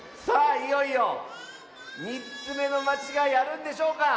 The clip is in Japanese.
いよいよ３つめのまちがいあるんでしょうか。